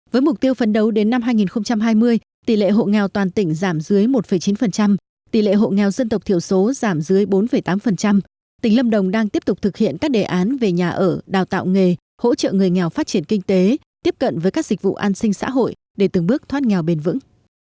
với mục tiêu phấn đấu đến năm hai nghìn hai mươi tỷ lệ hộ nghèo toàn tỉnh giảm dưới một chín tỷ lệ hộ nghèo dân tộc thiểu số giảm dưới bốn tám tỉnh lâm đồng đang tiếp tục thực hiện các đề án về nhà ở đào tạo nghề hỗ trợ người nghèo phát triển kinh tế tiếp cận với các dịch vụ an sinh xã hội để từng bước thoát nghèo bền vững